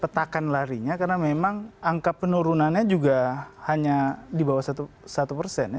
petakan larinya karena memang angka penurunannya juga hanya di bawah satu persen ya